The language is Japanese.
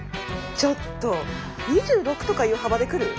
ちょっと２６とかいう幅でくる？